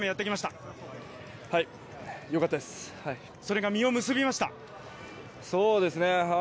それが実を結びました。